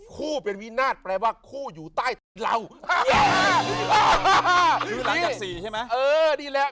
คู่เป็นวินาทฯแปลว่าคู่อยู่ใต้เรามคือหลักจากศีรษฐ์ใช่ไหมเออนี่แหละ